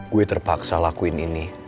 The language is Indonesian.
gue terpaksa lakuin ini